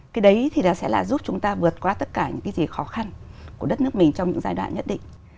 cái đấy thì nó sẽ là giúp chúng ta vượt qua tất cả những cái gì khó khăn của đất nước mình trong những giai đoạn nhất định